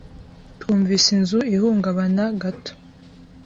Twumvise inzu ihungabana gato.